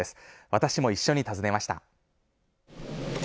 私も一緒に訪ねました。